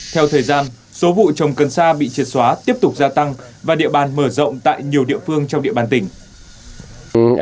theo thời gian số vụ trồng cần sa bị triệt xóa tiếp tục gia tăng và địa bàn mở rộng tại nhiều địa phương trong địa bàn tỉnh